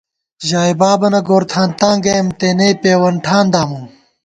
ژائے بابَنہ گورتھانتاں گَئیم، تېنے پېوَنٹھان دامُم